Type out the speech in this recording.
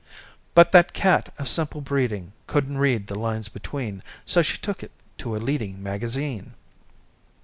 But that cat of simple breeding Couldn't read the lines between, So she took it to a leading Magazine.